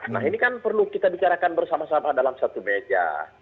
nah ini kan perlu kita bicarakan bersama sama dalam satu meja